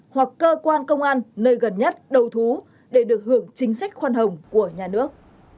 hoặc cơ quan công an nơi gần nhất đầu thú để được hưởng chính sách khoan hồng của nhà nước